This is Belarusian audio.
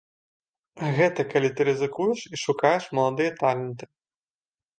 Гэта калі ты рызыкуеш і шукаеш маладыя таленты.